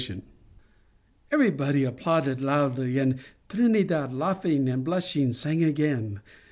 * Everybody applauded loudly, and Trinidad, laughing and blushing, sang again.